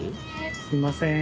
すいません。